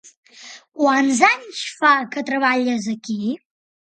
Quants anys fa que treballes aquí?